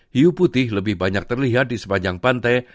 hiu putih lebih banyak terlihat di sepanjang pantai